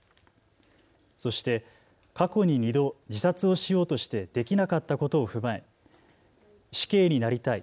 そして過去に２度、自殺をしようとしてできなかったことを踏まえ、死刑になりたい。